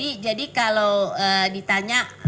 oke jadi kalau ditanya